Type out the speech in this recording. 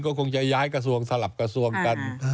ก็คงจะย้ายกระทรวงสลับกระทรวงกัน